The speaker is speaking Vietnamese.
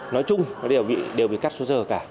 nói chung đều bị cắt số giờ cả